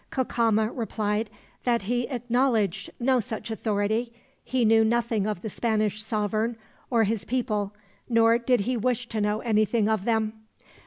Cacama replied "that he acknowledged no such authority, he knew nothing of the Spanish sovereign or his people, nor did he wish to know anything of them."